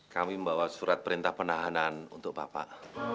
kami membawa surat perintah penahanan untuk bapak